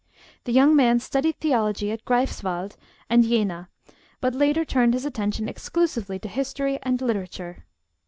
The young man studied theology at Greifswald and Jena, but later turned his attention exclusively to history and literature.